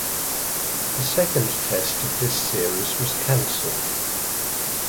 The second test of this series was cancelled.